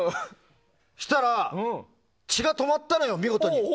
そしたら、血が止まったのよ見事に。